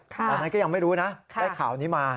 ตอนนั้นก็ยังไม่รู้นะได้ข่าวนี้มา